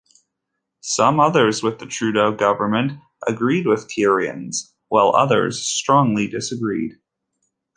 Some others with the Trudeau government agreed with Kierans, while others strongly disagreed.